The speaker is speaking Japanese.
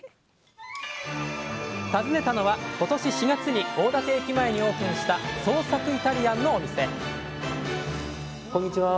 訪ねたのは今年４月に大館駅前にオープンした創作イタリアンのお店こんにちは。